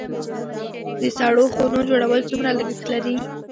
د سړو خونو جوړول څومره لګښت لري؟